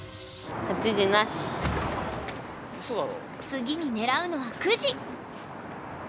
次に狙うのは９時。